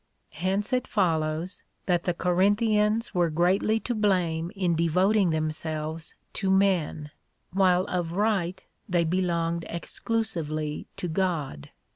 Hence it follows, that the Corinthians were greatly to blame in de voting themselves to men,^ while of right they belonged exclusively to God.